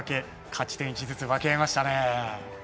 勝ち点１ずつ分け合いましたね。